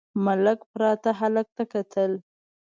ملک پراته هلک ته کتل….